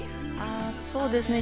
そうですね。